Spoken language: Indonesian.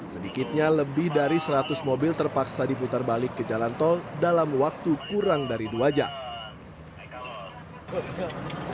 sedikitnya lebih dari seratus mobil terpaksa diputar balik ke jalan tol dalam waktu kurang dari dua jam